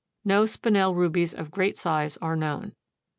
No Spinel rubies of great size are known.